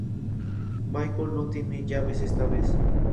Michael no tiene llaves esta vez.